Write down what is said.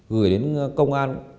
gửi đến công an